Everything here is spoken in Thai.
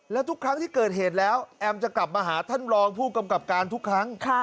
แล้วทุกครั้งที่เกิดเหตุแล้วแอมจะกลับมาหาท่านรองผู้กำกับการทุกครั้ง